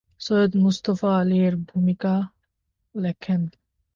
সৈয়দ মুজতবা আলী এর ভূমিকা লেখেন।